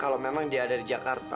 kalau memang dia ada di jakarta